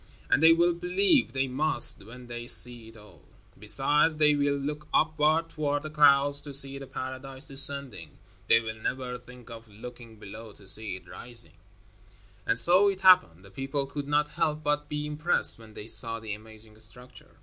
And they will believe; they must, when they see it all. Besides, they will look upward, toward the clouds, to see the paradise descending. They will never think of looking below to see it rising." And so it happened. The people could not help but be impressed when they saw the amazing structure.